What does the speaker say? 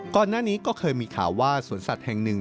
ก่อนหน้านี้ก็เคยมีข่าวว่าสวนสัตว์แห่งหนึ่ง